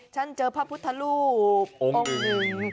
ฉันเจอพระพุทธรูปองค์อึง